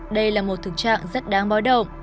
đây là một thực trạng rất đáng bó động